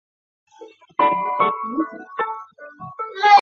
香港风雨很大